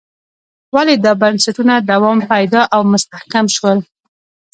ولې دا بنسټونه دوام پیدا او مستحکم شول.